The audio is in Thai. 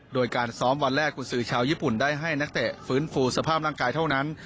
โดยการซ้อมวันแรกกุญสือชาวญี่ปุ่นได้ให้นักเตะฟื้นฟูสภาพร่างกายเท่านั้น